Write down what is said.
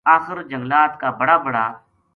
آخر جنگلات کا بڑ ا بڑا